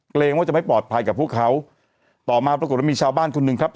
เกรงว่าจะไม่ปลอดภัยกับพวกเขาต่อมาปรากฏว่ามีชาวบ้านคนหนึ่งครับ